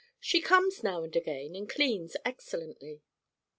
She comes now and again and cleans excellently.